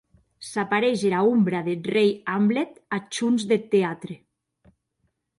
S’apareish era ombra deth rei Hamlet ath hons deth teatre.